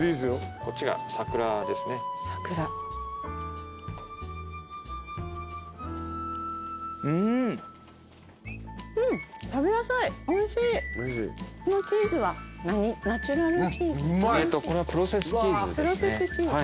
これはプロセスチーズですね。